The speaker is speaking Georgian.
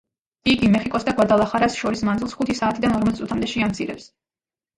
იგი მეხიკოს და გვადალახარას შორის მანძილს ხუთი საათიდან ორმოც წუთამდე შეამცირებს.